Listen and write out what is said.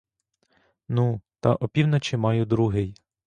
Ну, та опівночі маю другий.